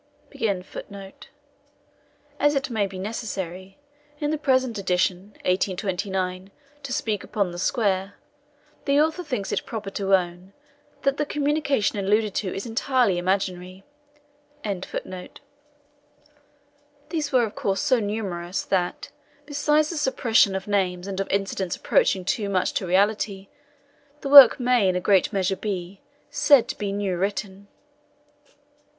As it maybe necessary, in the present Edition(1829), to speak upon the square, the Author thinks it proper to own, that the communication alluded to is entirely imaginary. These were of course so numerous, that, besides the suppression of names, and of incidents approaching too much to reality, the work may in a great measure be, said to be new written.